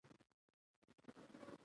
د مقناطیسي کوانټم شمېره موقعیت معلوموي.